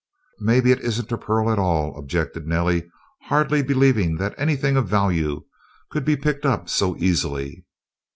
"Maybe it isn't a pearl at all," objected Nellie, hardly believing that anything of value could be picked up so easily.